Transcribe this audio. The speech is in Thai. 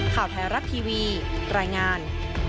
ข่าวไทยรัฐทีวีรายงาน